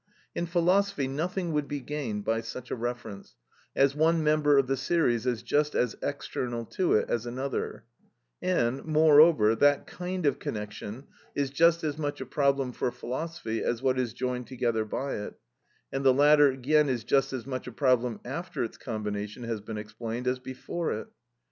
In philosophy nothing would be gained by such a reference, as one member of the series is just as external to it as another; and, moreover, that kind of connection is just as much a problem for philosophy as what is joined together by it, and the latter again is just as much a problem after its combination has been explained as before it.